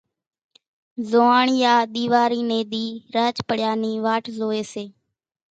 زوئاڻيا ۮيواري ني ۮي راچ پڙيا نِي واٽ زوئي سي